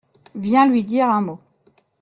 Viens lui dire un mot.